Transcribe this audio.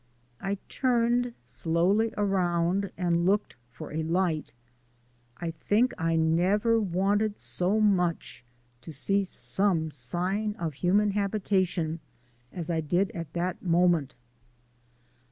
I turned slowly around and looked for a light; I think I never wanted so much to see some sign of human habitation as I did at that moment.